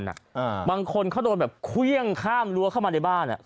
บางคนเขาโดนแบบเครื่องข้ามรั้วเข้ามาในบ้าน